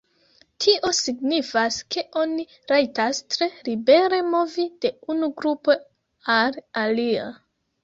Tio signifas ke oni rajtas tre libere movi de unu grupo al alia.